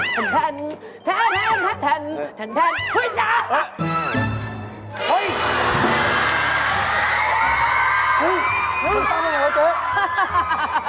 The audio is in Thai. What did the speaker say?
คุณไปไหนแล้วเจ๊